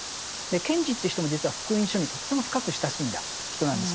賢治っていう人も実は「福音書」にとても深く親しんだ人なんです